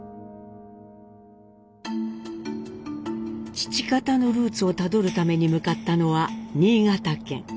父方のルーツをたどるために向かったのは新潟県。